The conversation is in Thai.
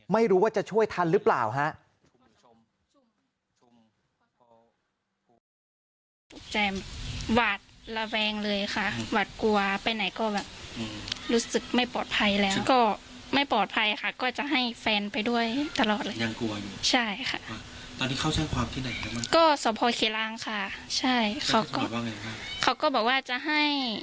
ไม่รู้ว่าจะช่วยทันหรือเปล่าฮะ